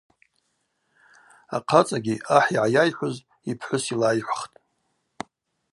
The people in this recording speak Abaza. Ахъацӏагьи ахӏ йгӏайайхӏвыз йпхӏвыс йлайхӏвхтӏ.